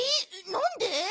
なんで？